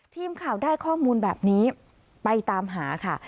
ทีมข่าวได้ข้อมูลแบบนี้ไปตามหาค่ะ